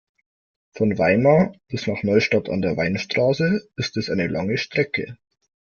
Von Weimar bis nach Neustadt an der Weinstraße ist es eine lange Strecke